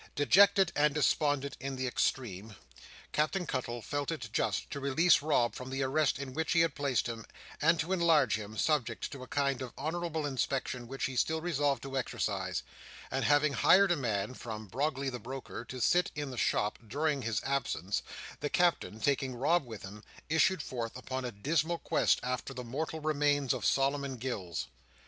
Dejected and despondent in the extreme, Captain Cuttle felt it just to release Rob from the arrest in which he had placed him, and to enlarge him, subject to a kind of honourable inspection which he still resolved to exercise; and having hired a man, from Brogley the Broker, to sit in the shop during their absence, the Captain, taking Rob with him, issued forth upon a dismal quest after the mortal remains of Solomon Gills.